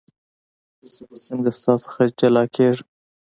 زه به څنګه ستا څخه جلا کېږم.